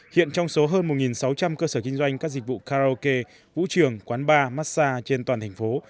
hiện trong số hơn một sáu trăm linh cơ sở kinh doanh các dịch vụ karaoke vũ trường quán bar massage trên toàn thành phố